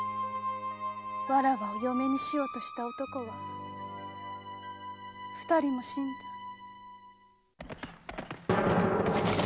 わらわを嫁にしようとした男は二人も死んだ。